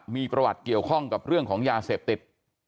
มีประวัติเกี่ยวข้องกับเรื่องของยาเสพติด